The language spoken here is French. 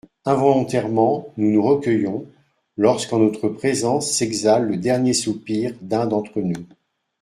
Involontairement nous nous recueillons, lorsqu'en notre présence s'exhale le dernier soupir d'un d'entre nous.